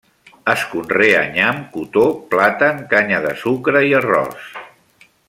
Es conrea nyam, cotó, plàtan, canya de sucre i arròs.